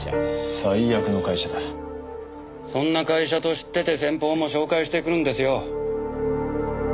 そんな会社と知ってて先方も紹介してくるんですよ。